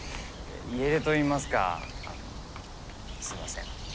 家出といいますかすみません。